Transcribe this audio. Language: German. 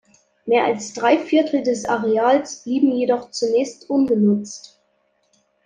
Mehr als drei Viertel des Areals blieben jedoch zunächst ungenutzt.